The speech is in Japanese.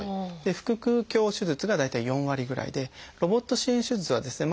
腹腔鏡手術が大体４割ぐらいでロボット支援手術はですね